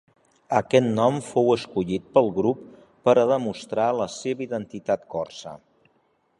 Aquest nom fou escollit pel grup per a demostrat la seva identitat corsa.